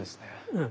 うん。